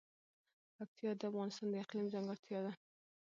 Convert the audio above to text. پکتیا د افغانستان د اقلیم ځانګړتیا ده.